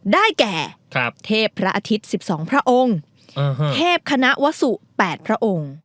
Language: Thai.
ได้แก่ครับเทพพระอาทิตย์สิบสองพระองค์อือฮะเทพคณะวสุแปดพระองค์